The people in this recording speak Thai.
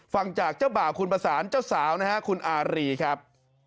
ฟังจากเจ้าบ่าวคุณประสานเจ้าสาวนะฮะคุณอารีครับ